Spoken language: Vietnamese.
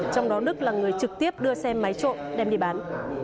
trong đó đức là người trực tiếp đưa xe máy trộn đem đi bán